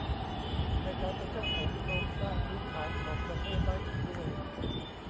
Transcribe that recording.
ในการเป็นเจ้าของโครงสร้างพื้นฐานของประเทศได้อีกด้วย